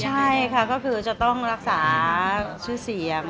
ใช่ค่ะก็คือจะต้องรักษาชื่อเสียง